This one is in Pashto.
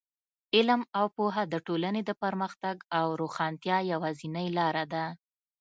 علم او پوهه د ټولنې د پرمختګ او روښانتیا یوازینۍ لاره ده.